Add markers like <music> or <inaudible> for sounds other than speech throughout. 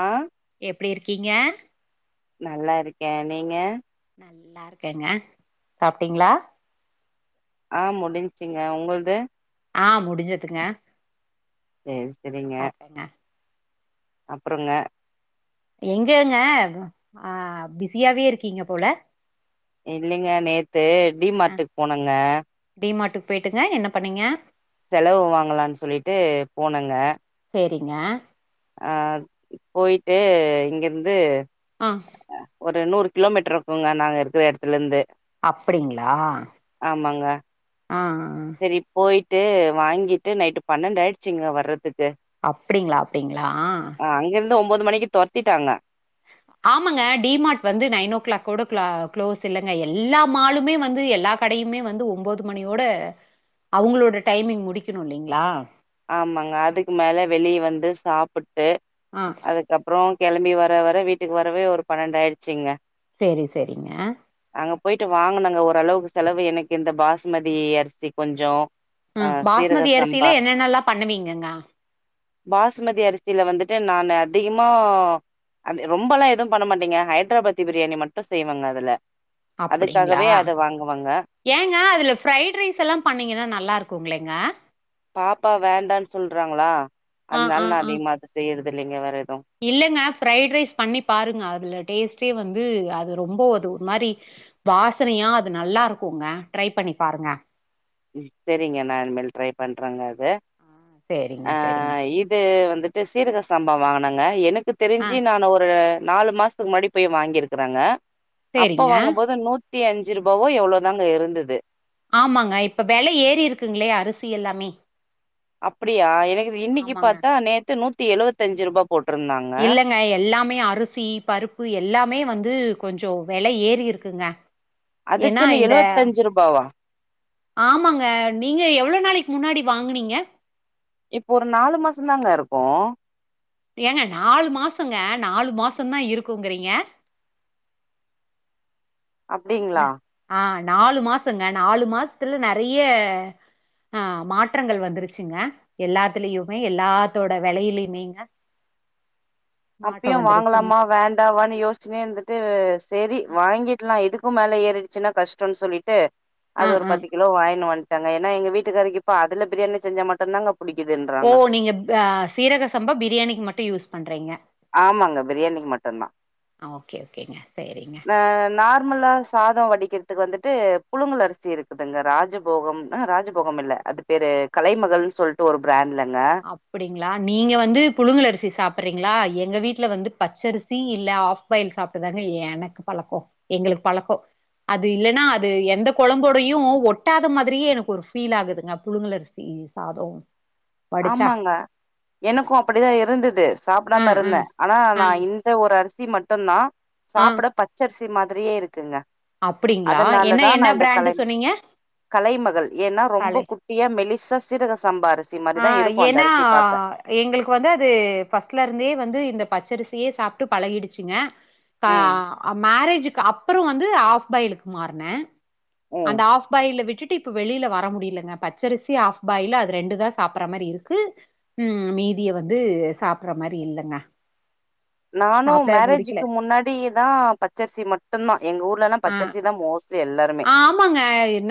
ஆ எப்டி இருக்கீங்க நல்லா இருக்கே நீங்க நல்லா இருக்கேங்க சாப்ட்டீங்ளா ஆ முடிஞ்ச்சிங்க உங்குள்து ஆ முடிஞ்சதுங்க சேரி சரிங்க சாப்ட்டேங்க அப்றோங்க எங்கங்க ஆ பிஸியாவே இருக்கீங்க போல இல்லிங்க நேத்து டி மார்ட்டுக்கு போனங்க டி மார்ட்டுக்கு பொயிட்டுங்க என்ன பண்ணீங்க செலவு வாங்கலான்னு சொல்லிட்டு போனேங்க சேரிங்க அ போய்ட்டு இங்கருந்து ஆ ஒரு நூறு கிலோமீட்டர் இருக்குங்க நாங்க இருக்கிற எடத்துலருந்து அப்டிங்களா ஆ ஆ போய்ட்டு வாங்கிட்டு நைட்டு பன்னெண்டாய்டுச்சுங்க வர்றதுக்கு அப்டிங்ளா அப்டிங்ளா ஆ அங்கிருந்து ஒன்போது மணிக்கு தொரத்திட்டாங்க ஆமாங்க டி மார்ட் வந்து நைன் ஓ கிளாக்கோட க்ளா க்ளோஸ் இல்லங்க எல்லா மாலுமே வந்து எல்லா கடையுமே வந்து ஒன்போது மணியோட அவுங்களோட டைமிங் முடிக்கணு இல்லைங்ளா ஆமாங்க அதுக்கு மேல வெளிய வந்து சாப்புட்டு ஆ அதுக்கு கப்புறோ கெளம்பி வர வர வீட்டுக்கு வரவே ஒரு பன்னெண்டு ஆய்ட்ச்சிங்க செரி செரிங்க அங்க போய்ட்டு வாங்குனங்க ஓரளவுக்கு செலவு எனக்கு இந்த பாஸ்மதி அரிசி கொஞ்சோ ஆ ம் சீரக பாஸ்மதி சம்பா அரிசிலே என்னென்னலா பண்ணுவீங்கங்க பாசுமதி அரிசில வந்துட்டு நானு அதிகமா அது ரொம்பலா எதும் பண்ண மாட்டீங்க ஹைட்ராபாத்தி பிரியாணி மட்டு செய்வேங்க அதுல அப்டிங்களா அதுக்காகவே அத வாங்குவங்க ஏங்க அதில ஃப்ரைட் ரைஸ் எல்லாம் பண்ணிங்கன்னா நல்லாருக்குங்களேங்க பாப்பா வேண்டானு சொல்றாங்களா ஆ, அதனால ஆ, நா ஆ. அதிகமா அது செய்யறது இல்லைங்க வேற எதும் இல்லங்க ஃபிரைட் ரைஸ் பண்ணி பாருங்க அதுல டேஸ்ட்டே வந்து அது ரொம்ப அது ஒரு மாரி வாசனையா அது நல்லாருக்குங்க ட்ரை பண்ணி பாருங்க செரிங்க நா இனிமேல் ட்ரை பண்றேங்க அது ஆ சரிங்க, ஆ சரிங்க. இது வந்து சீரக சம்பா வாங்குனேங்க எனக்கு ஆ தெரிஞ்சு நானு ஒரு நாலு மாசத்துக்கு முன்னாடி போய் வாங்கிருக்குறோங்க அப்ப சரிங்க. வாங்கும்போது நூத்தி அஞ்சு ரூபாவோ எவ்வளோதாங்க இருந்தது ஆமாங்க இப்ப வெலை ஏறி இருக்குங்ளே அரிசி எல்லாமே அப்டியா எனக்கு இன்னைக்கு ஆமாங்க. பாத்தா நேத்து நூத்தி எழுவத்தஞ்சு ரூபா போட்ருந்தாங்க க எல்லாமே அரிசி பருப்பு எல்லாமே வந்து கொஞ்சம் வெல ஏறி இருக்குங்க ஏன்னா அதுக்குன்னு இந்த எழுவத்தஞ்சு ரூபாவா ஆமாங்க நீங்க எவ்வளோ நாளைக்கு முன்னாடி வாங்குனீங்க இப்போ ஒரு நாலு மாசம்தாங்க இருக்கும் ஏங்க நாலு மாசங்க நாலு மாசந்தான் இருக்குங்குறீங்க அப்டிங்களா ஆஹ் நாலு மாசங்க நாலு மாசத்துல நறைய அ மாற்றங்கள் வந்துருச்சுங்க எல்லாத்துலயுமே எல்லாத்தோட வெலையிலயுமேங்க மாற்றோ அப்பியும் வந்துருச்சுங்க வாங்கலாமா வேண் வேண்டாமானு யோசிச்சுனே இருந்துட்டு செரி வாங்கிடலாம் இதுக்கும் மேல ஏறிடுச்சுன்னா கஷ்டம்னு சொல்லிட்டு ஆ அது ஒரு ஆ பத்து கிலோ வாங்கினு வன்ட்டேங்க ஏன்னா எங்க வீட்டுக்காரருக்கு இப்போ அதுல பிரியாணி செஞ்சா மட்டுந்தாங்க புடிக்குதுன்ற ஓ நீங்க ப சீரக சம்பா பிரியாணிக்கு மட்டு யூஸ் பண்றீங்க ஆமாங்க பிரியாணிக்கு மட்டுந்தா ஓகே ஓகேங்க சேரிங்க அ நார்மலா சாதோ வடிக்கிறதுக்கு வந்துட்டு புழுங்கல் அரிசி இருக்குதுங்க ராஜபோகம் அ ராஜபோகம் இல்ல அது பேரு கலைமகள்னு சொல்ட்டு ஒரு பிராண்ட்லங்க அப்டிங்ளா நீங்க வந்து புழுங்கள் அரிசி சாப்ரீங்ளா எங்க வீட்ல வந்து பச்சரிசி இல்ல ஆப் பெய்ல் சாப்ட்டுதாங்க எனக்கு பழக்கோ எங்களுக்கு பழக்கோ அது இல்லன்னா அது எந்த கொழம்போடயு ஒட்டாத மாதிரியே எனக்கு ஒரு ஃபீல் ஆகுதுங்க புழுங்கள் அரிசி சி சாதம் ஆமாங்க எனக்கும் அப்படிதான் இருந்தது ஆ சாப்பிடாம ஆ இருந்தேன் ஆனா ஆ நான் இந் ஒரு அரிசி மட்டுந்தான் ஆ சாப்பிட பச்சரிசி மாதிரியே இருக்குதுங்க அப்டிங்களா என்ன அதனாலதான் என்ன நான் இந்த பிராண்டு கலை சொன்னீங்க கலைமகள் ஏன்னா ரொம்ப காலை குட்டியா மெலிசா சீரக சம்பா அரிசி ஆ மாரிதான் இருக்கும் அந்த ஏன்னா அரிசிய பாக்க எங்களுக்கு வந்து அது ஃபர்ஸ்ட்ல இருந்தே வந்து இந்த பச்சரிசியே சாப்பிட்டு பழகிடுச்சுங்க ம் அ மேரேஜுக்கு அப்புறம் வந்து ஆப் பாய்லுக்கு மாறுனேன் அந்த ம் ஆப் ஆ ஃப் பாய்ல விட்டுட்டு இப்ப வெளியில வர முடியலங்க பச்சரிசி ஆஃப் பாயில் அந்த ரெண்டு தான் சாப்பற மாதிரி இருக்கு உஹம் மீதிய வந்து சாப்பற மாதிரி இல்லங்க நானும் சாப்ட புடிக்கல மேரேஜக்கு முன்னாடிதான் பச்சரிசி மட்டும்தான் எங்க ஊர்லல்லாம் ப ஆ ஆ பச்சரிசி தான் மோஸ்ட்லி எல்லாருமே ஆமாங்க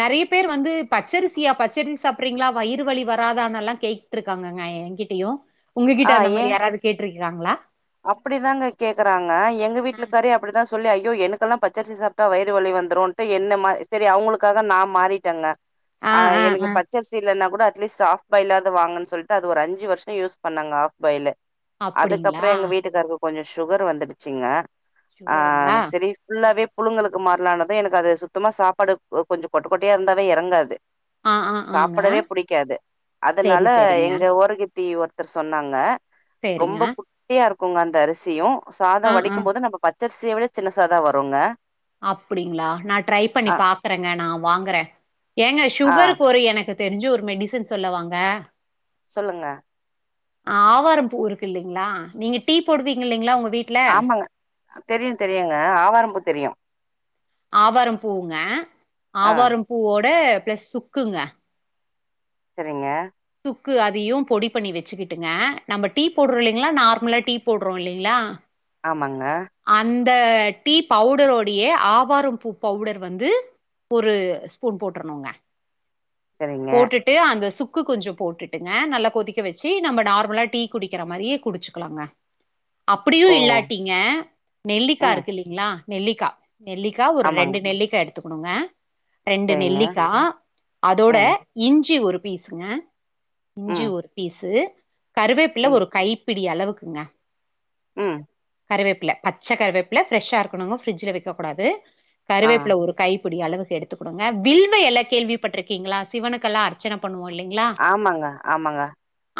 நெறைய பேர் வந்து பச்சரிசியா பச்சரிசி சாப்பறீங்களா வயிறு வலி வராதானெல் லாம் கேட்டுரு காங்கங்க எங்கிட்டயும் உங்ககிட்ட அந்த மாதிரி யாராது கேட்டுருக்காங்களா அப்படிதாங்க கேக்குறாங்க எங்க ஆ. வீட்டுலக் கறி அப்படித்தான் சொல்லி ஐயோ எனக்கெல்லாம் பச்சரிசி சாப்பிட்டா வயிறு வலி வந்துருண்டு என்ன மா செரி அவங்களுக்காக நான் மாறிட்டேங்க ஆ, ஆஹ் ஆ, எனக்கு ஆ. பச்சரிசி இல்லன்னா கூட அட்லீஸ்ட் ஆப் பாய்லாது வாங்கன்னும் சொல்லிட்டு அது ஒரு அஞ்சு வருஷம் யூஸ் பண்னேன்ங்க ஆஃப் பாய்லு அப்படிங்களா வீட்டுக்காருக்கு கொஞ்சோம் சுகர் வந்துடுச்சுங்க சுகருங்களா? ஆஹ் சேரி ஆ. புல்லாவே புழுங்களுக்கு மாறலான பாத்தா எனக்கு அது சுத்தமா சாப்பாடு கொஞ்சம் கொட்ட கொட்டையா இருந்தாவே எறங்காது ஆ, ஆ, ஆங்க. சாப்டவே புடிக்காது அதனால சரி, சரிங்க. எங்க ஓரகத் தி ஒருத்தர் சொன்னாங்க சரிங்க. ரொம்ப குட்டியா இருக்குங்க அந்த அரிசியும் ஆ, சாதம் ஆ. வடிக்கும் போது நம்ம பச்சரிசிய விட சின்னுசாதான் வருங்க அப்படிங்களா நான் ட்ரை பண்ணி ஆ பாக்குறேங்க நான் வாங்குறேன் ஏங்க ஆ சுகரு கொறைய எனக்கு தெரிஞ்சு ஒரு மெடிசன் சொல்லவாங்க சொல்லுங்க ஆவாரம் பூ இருக்குகில்லைங்களா நீங்க டீ போடுவீங்கில்லைங்களா உங்க வீட் ஆமாங்க தெரியு தெரியுங்க ஆவாரம்பூ தெரியு ஆவாரம்பூ ங்க ஆ ஆவாரம் பூவோட பிளஸ் சுக்குங்க செரிங்க சுக்கு அதையு பொடி பண்ணி வச்சுக்கிட்டுங்க நம்ம டீ போடுறோ இல்லிங்களா நார்மலா டீ போடுறோ இல்லிங்களா ஆமாங்க அந்த டீ பவுடரோடைய ஆவாரம் பூ பவுடர் வந்து ஒரு ஸ்பூன் போட்றணுங்க சரிங்க போட்டுட்டு அந்த சுக் க்கு கொஞ்சோ போட்டுட்டுங்க நல்ல கொதிக்க வச்சு நம்ம நார்மலா டீ குடிக்கிற மாரியே குடிச்சுக்கலாங்க அப்டியும் ஓ இல்லாட்டீங்க நெல்லிக்கா ம் இருக்குல்லிங்களா நெல்லிக்கா நெல்லிக் கா ஒரு ஆமாங்க ரெண்டு நெல்லிக்கா எடுத்துக்கணுங்க ரெண்டு சரிங்க நெல்லிக்கா அதோட ம் இஞ்சி ஒரு பீஸுங்க இஞ்சி ம் ஒரு பீஸு கருவேப்பில ம் ஒரு கை பிடி அளவுக்குங்க ம் கருவேப்பில பச்ச கருவேப்பில ப்ரெஷ்ஷா இருக்கணுங்க ஃப்ரிட்ஜல வக்கூடாது ஆ கருவேப்பில ஒரு கைப்பிடி அளவுக்கு எடுத்துக்கன்னுங்க வில்வ எழ கேள்விப்பட்ருக்கீங்களா சிவனுக்கெல்லா அர்ச்சன பண்ணுவோம் இல்லைங்களா ஆமாங்க ஆமாங்க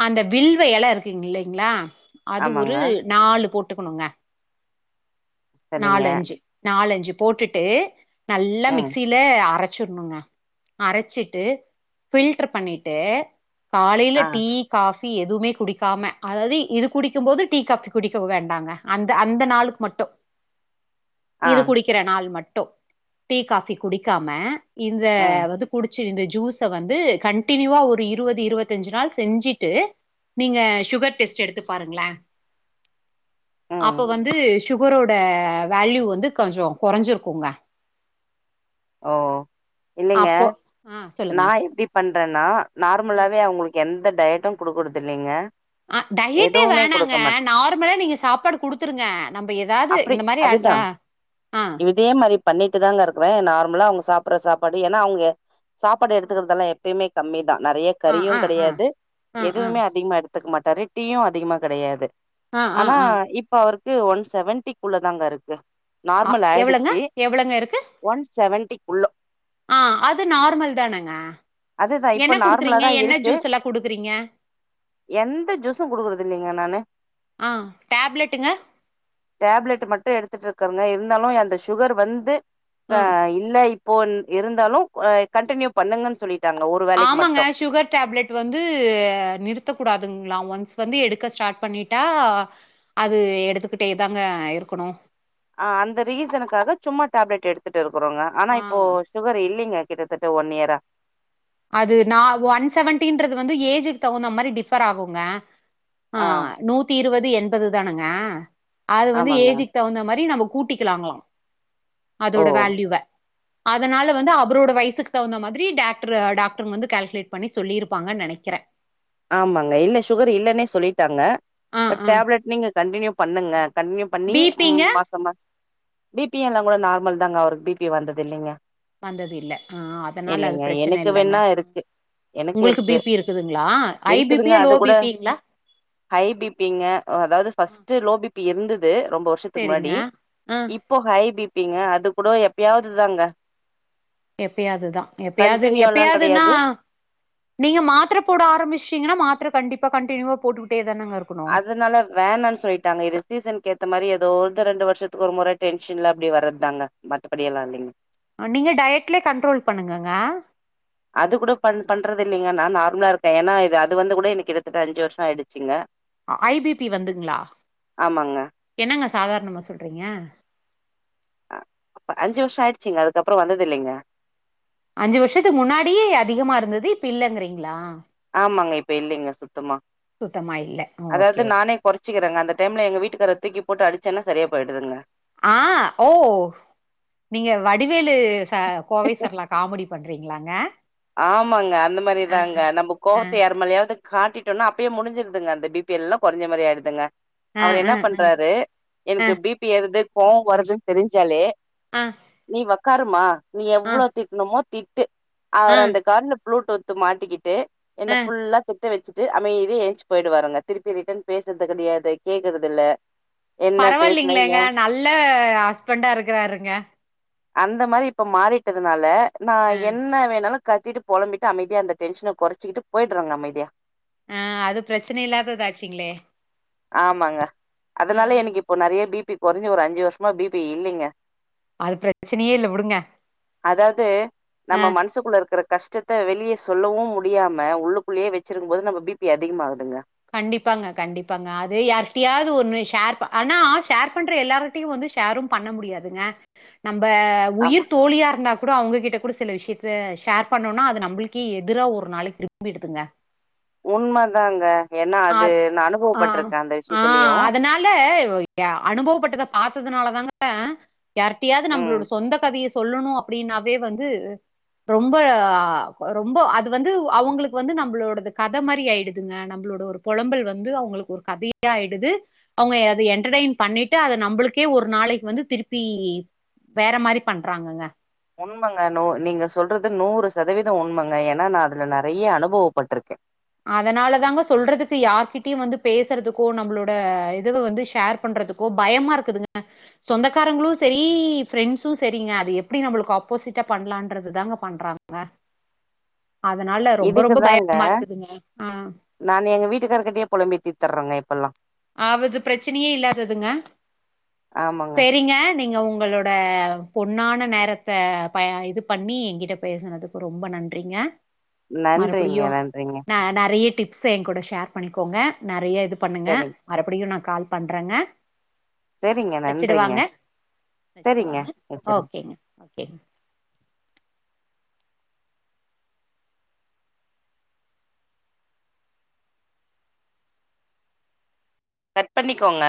அந்த வில்வ இலை இருக்குங் இல்லைங்களா அது ஒரு ஆமாங்க நாலு போட்டுக்கணுங்க சரிங்க நாலு அஞ்சு நாலஞ்சு போட்டுட்டு நல்லா ம் மிக்சி ல அரச்சுடனும்ங்க அரச்சுட்டு ஃபில்ட்ரு பண்ணிட்டு காலைல ஆ டீ காஃபி எதுவுமே குடிக்காம அதாவது இது குடிக்கும்போது டீ காஃபி குடிக்க வேண்டாங்க அந்த அந்த நாளுக்கு மட்டு ஆ இது குடிக்கற நாள் மட்டு டீ காபி குடிக்காம இந்த ம் வது குடி ச்சு இந்த ஜூஸ வந்து கண்டடினியூவா ஒரு இருவது இருவத்தஞ்சு நாள் செஞ்சுட்டு நீங்க சுகர் டெஸ்ட் எடுத்து பாருங்களே ம் அப்போ வந்து சுகரோட வேல்யூ வந்து கொஞ்சோ கொறஞ்சிருக்குங்க <inaudible> ஓ இல்லைங்க அப்போ ஆ சொல்லுங்க. நா இப்டி பண்றன்னா ம். நார்மலாவே அவங்குளுக்கு எந்த டயட்டு குடுக்கறதில்லைங்க அ டயட்டே வேணாங்க நார்மலா நீங்க சாப்பாடு குடுத்துருங்க நம்ப ஏதாது அப்டி இந்த மாரி அதுதா அ ஆ இதே மாரி பண்ணிட்டு தாங்க இருக்கற நார் முலா அவுங்க சாப்பட்ற சாப்பாடு ஏன்னா அவங்க சாப்பாடு எடுத்துக்கறதுல்லா எப்பயுமே கம்மி தா நறைய ஆ கறியு ஆ ஆ கடையாது ஆ ஆ எதுவுமே அதிகமா எடுத் துக் மாட்டாரு டீயு அதிகமா கடையாது ஆ ஆ ஆனா ஆ இப் ப அவருக்கு ஒன் செவன்ட்டிக்குள்ளதாங்க இருக்கு அ நார்மல் எவ்வளங்க? ஆயிடுச்சு எவ்வளங்க இருக்கு? ஒன்ஸ் செவன்டிக்குள்ளோ ஆ அது நார்மல் தானங்க அதுதா இப்ப என்ன நார்மலா குடுக்குறீங்க தா என்ன இருக்கு ஜூஸ் எல்லா குடுக்குறீங்க எந்த ஜூஸு குடுக்குறதில்லைங்க நானு ஆ டேப்லெட்டுங்க டேப்லெட் மட்டு எடுத்துட்ருக்கறங்க இருந்தாலு அந்த சுகர் வந்து ஆ இல்ல இப்போ இருந்தாலு கண்டினியூ பண்ணுங்கன்னு சொல்லிட்டாங்க ஒரு வேலைக்கு மட்டு ஆமாங்க சுகர் டேப்லெட் டு வந்து நிறுத்தக் கூடாதுங்ளா ஒன்ஸ் வந்து எடுக்க ஸ்டார்ட் பண்ணிட்டா அது எடுத்துக்கிட்டே தாங்க இருக்கணு ஆ அந்த ரீசனுக்காக சும்மா டேப்லெட் எடுத்துட்டுருக்கறோங்க ஆனா ஆ இப்போ சுகர் இல்லிங்க கிட்டத்தட்ட ஒன் இயரா அது நா ஒன் செவன்டின்றது வந்து ஏஜுக்கு தகுந்த மாதரி டிஃபர் ஆகுங்க ஆ நூத்தி இருவது எண்பது தானுங்க அது வந்து ஆமாங்க ஏஜிக் தகுந்த மாரி நம்ம கூட்டிக்கலாங்ளா ஓ அதோட வேல்யூவ அதனால வந்து அவரோட வயசுக்கு தகுந்த மாதிரி டாக் ரு டாக்ட்ருங்க வந்து கால்குலேட் பண்ணி சொல்லிருப்பாங்கன் நெனைக்கிறே ஆமாங்க இல்ல சுகர் இல்லன்னே சொல்லிட்டாங்க ஆ பட் ஆ டேப்லெட் நீங்க கண்டினியூ பண்ணுங்க கண்டினியூ பண்ணி பி பிங்க மாச மாச பி பி எல்லா கூட நார்மல் தாங்க அவருக்கு பி பி வந்தது இல்லிங்க வந்தது இல்ல அ அதனால அது பிரச்சன எனக்கு இல்லங்க வேணா இருக்கு எனக்கு உங்குளுக்கு பி இருக்கு பி இருக் க்குதுங்களா ஐ பி இருக்குதுங்க பியா லோ அது பி கூட பிங்ளா ஹை பி பிங்க அதாவது ஃபர்ஸ்ட்டு லோ பி பி இருந்தது ரொம்ப வர்ஷ் ஷத்துக்கு செரிங்க முன்னாடி ஆ இப்போ ஹை பிப்பிங்க அது கூட எப்பியாதுதாங்க எப்பியாதுதா எப்பியாது கண்டினியூ எல்லா கெடையாது எப்பியாதுன்னா நீங்க மாத்தர போட ஆரம்பிஷ்டீங்னா மாத்திர கண்டிப்பா கண்டினியூவா போட்டுட்டே தானங்க இருக் அதனால வேணான்னு சொல்லிட்டாங்க இது சீசனுக்கு ஏத்த மாரி ஏதோ ஒரு ரெண்டு வருஷத்துக்கு முற டென்ஷன்ல அப்டி வறத்தாங்க மத்தபடியெல்லா இல்லிங்க நீங்க டயட்லே கண்ட்ரோல் பண்ணுங்கங்க அது கூட பண் பண்றது இல்லைங்க நா நார்மலா இருக்கே ஏனா இது அது வந்து கூட எனக்கிட்டத்தட்ட அஞ்சு வருஷோ ஆயிடுச்சுங்க ஹை பி பி வந்துங்களா ஆமாங்க என்னங்க சாதாரணமா சொல்றீங்க அப்ப அஞ்சு வருஷோ ஆயிடுச்சிங்க அதுக்கப்றோ வந்தது இல்லிங்க அஞ்சு வருஷத்துக்கு முன்னாடி அதிகமா இருந்தது இப்ப இல்லங்கறீங்களா ஆமாங்க இப்ப இல்லிங்க சுத்தமா சுத்தமா இல்ல அதாவது ஓகே ஓகே நானே கொறச்சிக்கிறங்க அந்த டைம்ல எங்க வீட்டுக்கார தூக்கி போட்டு அடிச்சேன்னா சரியா போயிடுதுங்க ஆ ஓ நீங்க வடிவேலு சா கோவை சரளா காமெடி பண்றீங்களாங்க ஆமாங்க அந்த ஆ மாரிதாங்க நம்ம ஆ கோவத்து யார் மேலயாவது காட்டிட்டோனா அப்பயே முடிஞ்சிருதுங்க அந்த பி பி எல்லாம் கொறஞ்ச மாரி ஆயிடுதுங்க ஆ அவரு ஆ என்ன பண்றாரு ஆ எனக்கு பி பி ஏறுது கோவோ வருதுன் தெரிஞ்சாலே ஆ நீ வக்காருமா நீ ஆ எவ்ளோ திட்டனுமோ திட்டு ஆ அவர் அந்த காத்ல ப்ளூடூத் மாட்டிக்கிட்டு ஆ என்ன ஃபுல்லா திட்ட வெச்சுட்டு அமைதியா ஏஞ்ச்சி போயிடுவாருங்க திருப்பி ரிட்டன் பேசுறது கெடையாது கேக்குறதில்ல பரவால்லிங்களேங்க நல்ல ஹஸ்பண்டா இருக்கறாருங்க அந்த மாரி இப்ப மாறிட்டதுனால நா ஆ என்ன வேணாலு கத்திட்டு பொலம்பிட்டு அமைதியா அந்த டென்ஷன கொறைச்சிகிட்டு போயிட்றங்க அமைதியா ஆ அது பிரச்சன இல்லாதது ஆச்சிங்ளே ஆமாங்க அதனால எனக்கு இப்போ நெறைய பி பி கொறைஞ்சு ஒரு அஞ்சு வருஷமா பி பி இல்லிங்க அது பிரச்சனையே இல்ல விடுங்க அதாவது ஆ நம்ம மனசுக்குள்ள இருக்கிற கஷ்டத்த வெளியே சொல்லவு முடியாம உள்ளுக்குள்ளயே வெச்சிருக்கும் போது நம்ம பி பி அதிகமா ஆவுதுங்க கண்டிப்பாங்க கண்டிப்பாங்க அது யாருட்டையாவது ஒண்ணு ஷேர் ஆனா ஷேர் பண்ற எல்லாரு ட்டியு வந்து ஷேரும் பண்ண முடியாதுங்க நம்ம ஆமா. உயிர் தோழியா இருந்தாக் கூட அவங்ககிட்ட கூட சில விஷயத்த ஷேர் பண்ணோனா அது நம்புளுக்கே எதிரா ஒரு நாள் திரும்பிடுதுங்க உண்ம தாங்க ஏனா ஆ அது நா அனுபவப்பட்டிருக்கே அந்த விஷியத்தலயு இல்ல அனுபவப்பட்டத பாத்ததுனால தாங்க யாரிட்டையாவது ம். நம்மளோட சொந்த கதைய சொல்லணு அப்டின்னாவே வந்து ரொம்ப ரொம்ப அது வந்து அவுங்களுக்கு வந்து நம்மளோடது கத மாறி ஆயிடுதுங்க நம் ளோட ஒரு பொலம்பல் வந்து அவுங்களுக்கு ஒரு கதேயாயிடுது அவுங்க அத என்டர்டெயன் பண்ணிட்டு அத நம்பளுக்கே ஒரு நாளைக்கு வந்து திருப்பி வேற மாரி பண்றாங்கங்க உண்மங்க நீங்க சொல்றது நூறு சதவீத உண்மங்க ஏன்னா நா அதுல நெறய அனுபவப்பட்ருக்கே அதனால தாங்க சொல்றதுக்கு யார்கிட்டயு வந்து பேசுறதுக்கோ நம்மளோட இதுவ வந்து ஷேர் பண்றதுக்கோ ஓ பயமா இருக்குதுங்க சொந்தக்காரங்களு சரி ஃப்ரெண்ட்ஸு சரிங்க அது எப்படி நம்மளுக்கு ஆப்போசிட்டா பண்ணலான்து தாங்க பண்றாங்க அதனால ரொம்ப ரொம்ப பயமா இருக்குதுங்க ஆ நானு எங்க வீட்டுக்காரருக்கிட்டயே புலம்பி தீத்துர்றேங்க இப்பெல்லா அவது பிரச்சனையே இல்லாததுங்க ஆமாங்க. சரிங்க நீங்க உங்களோ ட பொன்னான நேரத்த ப இது பண்ணி எங்கிட்ட பேசனதுக்கு ரொம்ப நன்றிங்க நன்றிங்க, மறுபடியு நன்றிங்க. நா நெறய டிப் ப்ச என்கூட ஷேர் பண்ணிக்கோங்க நெறய இது பண்ணுங்க சரிங்க, மறுபடியு நா கால் பண்றேங்க சரிங்க. நன்றிங்க. வச்சுடவாங்க சரிங்க. வச்சுடவாங்க வச்சுருங்க. ஓகேங்க ஓகேங்க கட் பண்ணிக்கோங்க